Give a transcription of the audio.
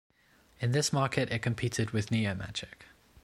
In this market it competed with NeoMagic.